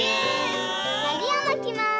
のりをまきます。